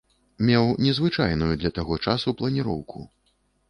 Меў незвычайную для таго часу планіроўку.